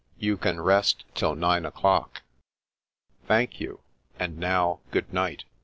You can rest till nine o'clock." "Thank you. And now, good night.